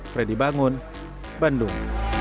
fredy bangun bandung